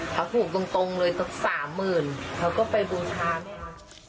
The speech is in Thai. เขาถูกตรงเลยสักสามหมื่นเขาก็ไปบูชาแม่